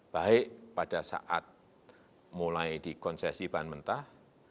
baik pada saat mulai dikonsesi bahan mentah